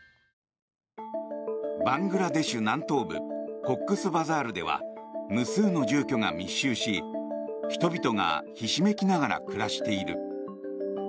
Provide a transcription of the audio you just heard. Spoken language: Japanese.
バングラデシュ南東部コックスバザールでは無数の住居が密集し人々がひしめきながら暮らしている。